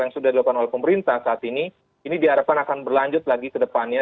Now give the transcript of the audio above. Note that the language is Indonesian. yang sudah dilakukan oleh pemerintah saat ini ini diharapkan akan berlanjut lagi ke depannya